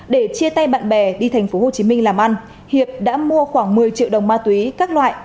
để chia tay bạn bè đi thành phố hồ chí minh làm ăn hiệp đã mua khoảng một mươi triệu đồng ma túy các loại